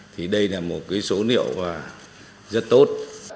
thì đây là một số liệu rất tốt